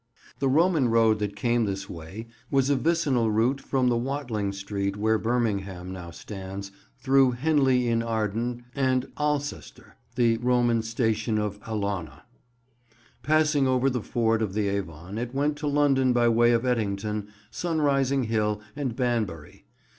The Roman road that came this way was a vicinal route from the Watling Street where Birmingham now stands, through Henley in Arden and Alcester, the Roman station of Alauna. Passing over the ford of the Avon, it went to London by way of Ettington, Sunrising Hill, and Banbury.